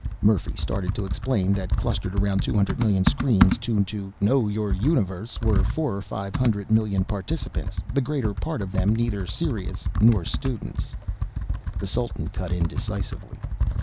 Murphy started to explain that clustered around two hundred million screens tuned to Know Your Universe! were four or five hundred million participants, the greater part of them neither serious nor students. The Sultan cut in decisively.